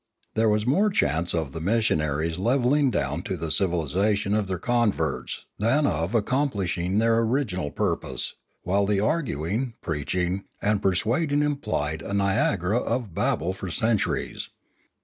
There was more chance of the missionaries levelling down to the civilisation of their converts than of ac complishing their original purpose, while the arguing, preaching, and persuading implied a Niagara of bab ble for centuries.